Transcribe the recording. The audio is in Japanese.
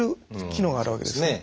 機能があるわけですね。